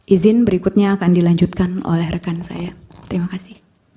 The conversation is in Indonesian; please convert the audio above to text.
izin berikutnya akan dilanjutkan oleh rekan saya terima kasih